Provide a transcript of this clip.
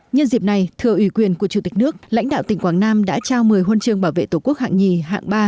nhân dịp này thưa ủy quyền của chủ tịch nước lãnh đạo tỉnh quảng nam đã trao một mươi huân chương bảo vệ tổ quốc hạng hai hạng ba